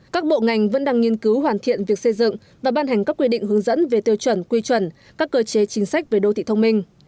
các bộ ngành vẫn đang nghiên cứu hoàn thiện việc xây dựng và ban hành các quy định hướng dẫn về tiêu chuẩn quy chuẩn các cơ chế chính sách về đô thị thông minh